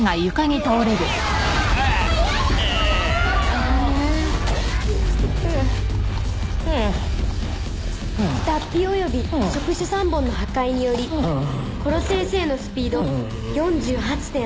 あうう脱皮および触手３本の破壊により殺せんせーのスピード４８．８％ダウン